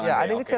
ya adek kecewa